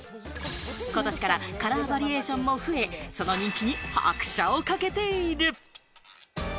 ことしからカラーバリエーションも増え、その人気に拍車をかけている。